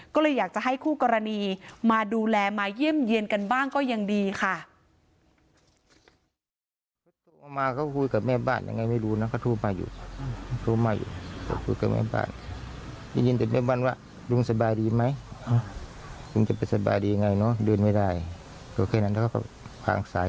ก็เลยอยากจะให้คู่กรณีมาดูแลมาเยี่ยมเยี่ยนกันบ้างก็ยังดีค่ะ